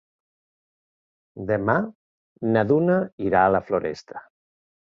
Demà na Duna irà a la Floresta.